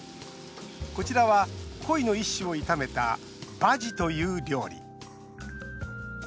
こちらはコイの一種を炒めたバジという料理。